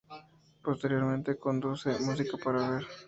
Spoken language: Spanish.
Posteriormente conduce "Música para ver".